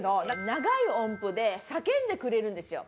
長い音符で叫んでくれるんですよ。